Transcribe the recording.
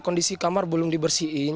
kondisi kamar belum dibersihin